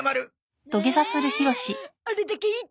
あれだけ言ったのに！